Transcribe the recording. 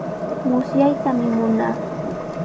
Musyaytami munaa.